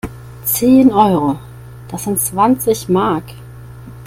Zehn Euro? Das sind zwanzig Mark!